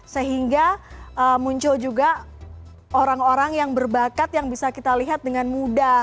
sehingga muncul juga orang orang yang berbakat yang bisa kita lihat dengan mudah